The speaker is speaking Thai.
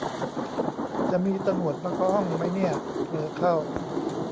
จะมีตะหนวดมาเคาะห้องมั้ยเนี่ย เผลอเข้า